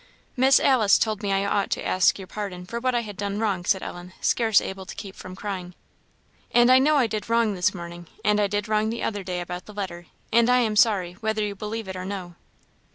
"Miss Alice told me I ought to ask your pardon for what I had done wrong," said Ellen, scarce able to keep from crying; "and I know I did wrong this morning, and I did wrong the other day about the letter; and I am sorry, whether you believe it or no."